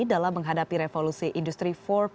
dalam menghadapi revolusi industri empat